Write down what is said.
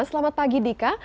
selamat pagi dika